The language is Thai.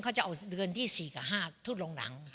เขาจะเอาเลือนที่๔๕ถุลงหลัง